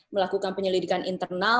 melakukan penyelidikan internal